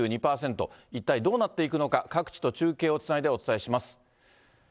一体どうなっていくのか、各地と中継をつないでお伝えします。